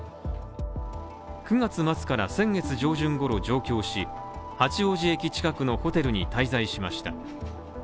９月末から先月上旬頃上京し、八王子駅近くのホテルに滞在しました。